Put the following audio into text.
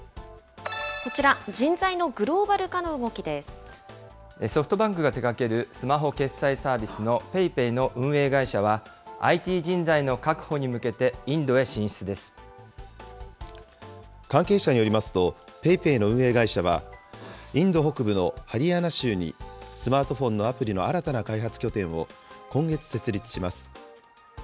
こちら、人材のグローバル化の動ソフトバンクが手がける、スマホ決済サービスのＰａｙＰａｙの運営会社は、ＩＴ人材の確保に関係者によりますと、ＰａｙＰａｙの運営会社は、インド北部のハリヤナ州に、スマートフォンのアプリの新たな開発拠点を、今月設立します。